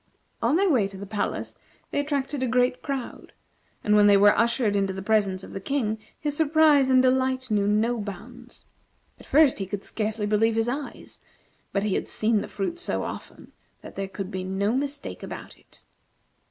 On their way to the palace they attracted a great crowd, and when they were ushered into the presence of the King, his surprise and delight knew no bounds. At first he could scarcely believe his eyes; but he had seen the fruit so often that there could be no mistake about it.